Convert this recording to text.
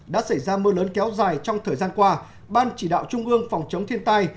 đã xảy ra mưa lớn kéo dài trong thời gian qua ban chỉ đạo trung ương phòng chống thiên tai